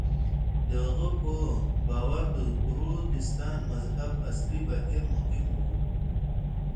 د هغه په باور د پروتستان مذهب اصلاح بهیر مهم و.